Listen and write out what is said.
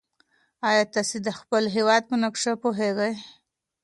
ایا تاسي د خپل هېواد په نقشه پوهېږئ؟